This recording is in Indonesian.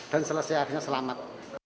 dan selesai akhirnya selamat